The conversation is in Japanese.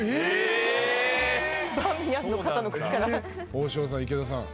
王将さん池田さん